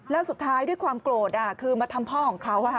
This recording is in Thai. แล้วสุดท้ายด้วยความโกรธคือมาทำพ่อของเขา